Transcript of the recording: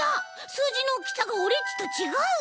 すうじのおおきさがオレっちとちがう！